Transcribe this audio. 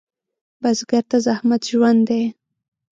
بزګر ته زحمت ژوند دی